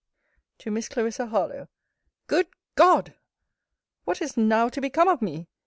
TO MISS CLARISSA HARLOWE GOOD GOD! What is now to become of me!